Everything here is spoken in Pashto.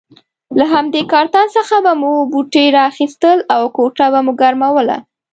له همدې کارتن څخه به مو بوټي را اخیستل او کوټه به مو ګرموله.